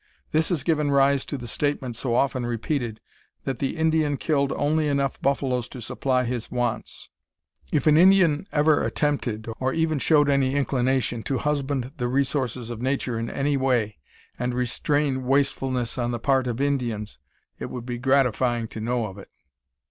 This has given rise to the statement, so often repeated, that the Indian killed only enough buffaloes to supply his wants. If an Indian ever attempted, or even showed any inclination, to husband the resources of nature in any way, and restrain wastefulness on the part of Indians, it would be gratifying to know of it.